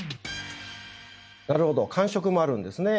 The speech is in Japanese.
なるほど間食もあるんですね